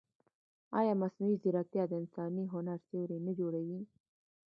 ایا مصنوعي ځیرکتیا د انساني هنر سیوری نه جوړوي؟